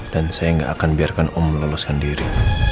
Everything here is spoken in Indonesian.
dan saya gak akan biarkan om meloloskan diri